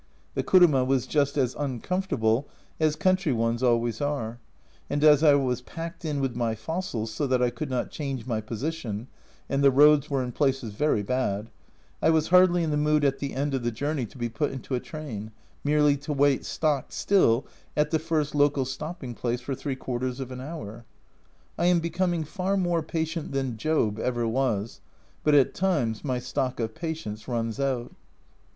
The kuruma was just as uncomfortable as country ones always are, and as I was packed in with my fossils so that I could not change my position, and the roads were in places very bad, I was hardly in the mood at the end of the journey to be put into a train, merely to wait stock still at the first local stopping place for three quarters of an hour. I am becoming far more patient than Job ever was, but at times my stock of patience runs out.